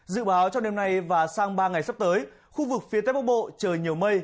dự báo trong đêm nay và sang ba ngày sắp tới khu vực phía tây bắc bộ trời nhiều mây